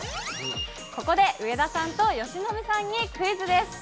ここで上田さんと由伸さんにクイズです。